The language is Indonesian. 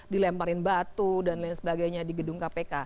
dilemparin batu dan lain sebagainya di gedung kpk